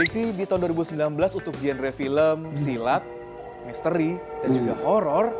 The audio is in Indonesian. kursi di tahun dua ribu sembilan belas untuk genre film silat misteri dan juga horror